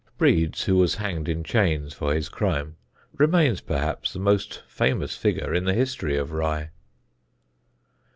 Breeds, who was hanged in chains for his crime, remains perhaps the most famous figure in the history of Rye.